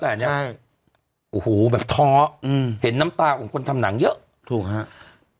แหละใจอู้หูแบบท้ออืมเห็นน้ำตาของคนทำหนังเยอะถูกครับ